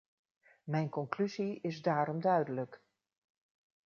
Mijn conclusie is daarom duidelijk.